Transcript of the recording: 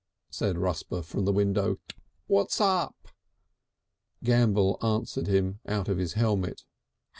said Rusper from the window. "Kik! What's up?" Gambell answered him out of his helmet.